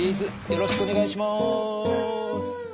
よろしくお願いします。